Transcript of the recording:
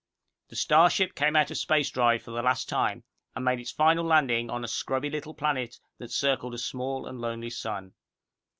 _ The star ship came out of space drive for the last time, and made its final landing on a scrubby little planet that circled a small and lonely sun.